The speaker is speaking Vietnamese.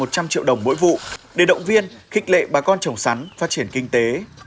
triệu đồng mỗi vụ để động viên khích lệ bà con trồng sắn phát triển kinh tế